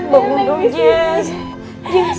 bangun dong jess